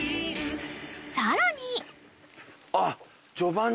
［さらに］